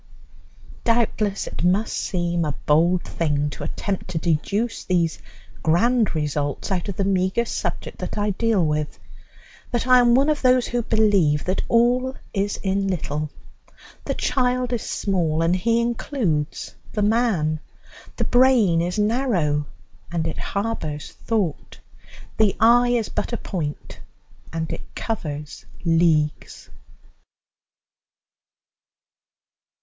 Doubtless it must seem a bold thing to attempt to deduce these grand results out of the meagre subject that I deal with; but I am one of those who believe that all is in little. The child is small, and he includes the man; the brain is narrow, and it harbours thought; the eye is but a point, and it covers leagues.